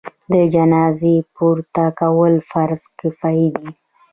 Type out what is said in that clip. د جنازې پورته کول فرض کفایي دی.